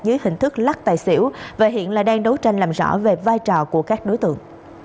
dưới hình thức lắc tài xỉu và hiện là đang đấu tranh làm rõ về vai trò của các đối tượng